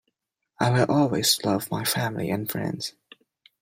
I will always love my family and friends.